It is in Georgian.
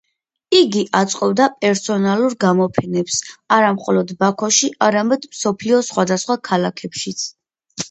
იგი აწყობდა პერსონალურ გამოფენებს არა მხოლოდ ბაქოში, არამედ მსოფლიოს სხვადასხვა ქალაქებშიც.